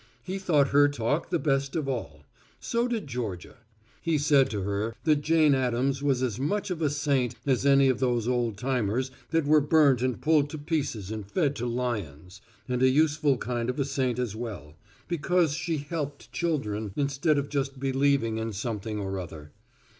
He thought her talk the best of all; so did Georgia. He said to her that Jane Addams was as much of a saint as any of those old timers that were burnt and pulled to pieces and fed to lions, and a useful kind of a saint as well, because she helped children instead of just believing in something or other.